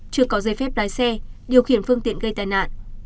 chưa có giấy phép lái xe điều khiển phương tiện gây tai nạn